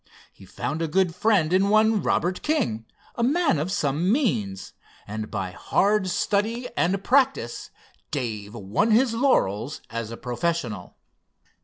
He found a good friend in one Robert King, a man of some means, and by hard study and practice Dave won his laurels as a professional.